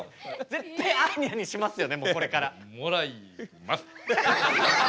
絶対アーニャにしますよねこれから。もらいます。